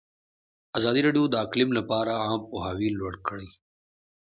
ازادي راډیو د اقلیم لپاره عامه پوهاوي لوړ کړی.